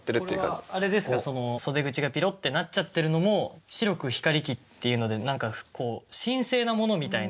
これはあれですか袖口がピロッてなっちゃってるのも「白く光りき」っていうので何かこう神聖なものみたいな。